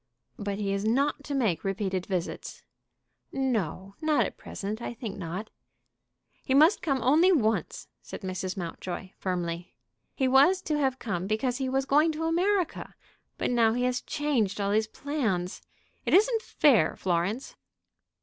"But he is not to make repeated visits." "No, not at present; I think not." "He must come only once," said Mrs. Mountjoy, firmly. "He was to have come because he was going to America. But now he has changed all his plans. It isn't fair, Florence."